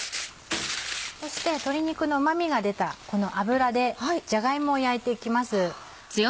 そして鶏肉のうま味が出たこの油でじゃが芋を焼いていきます。